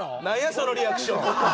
そのリアクション。